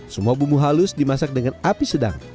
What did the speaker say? semua bumbu halus dimasak dengan api sedang